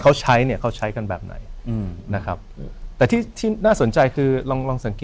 อ่ะชิ้นนี้ก็มีเป็นไง